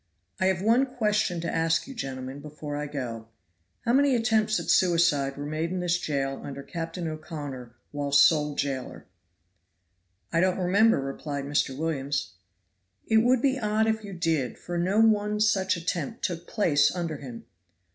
"I have one question to ask you, gentlemen, before I go: How many attempts at suicide were made in this jail under Captain O'Connor while sole jailer?" "I don't remember," replied Mr. Williams. "It would be odd if you did, for no one such attempt took place under him.